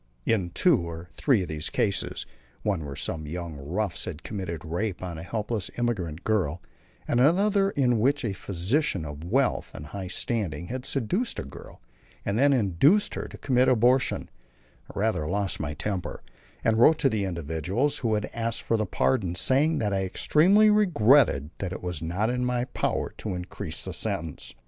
In two or three of the cases one where some young roughs had committed rape on a helpless immigrant girl, and another in which a physician of wealth and high standing had seduced a girl and then induced her to commit abortion I rather lost my temper, and wrote to the individuals who had asked for the pardon, saying that I extremely regretted that it was not in my power to increase the sentence.